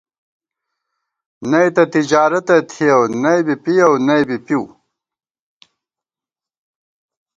نئی تہ تجارَتہ تھِیَؤ ، نئی بی پِیَؤ ، نئی بی پِؤ